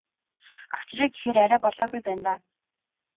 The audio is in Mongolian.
Авчиръя гэхээр арай болоогүй байна даа.